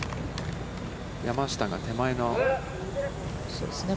山下が手前の。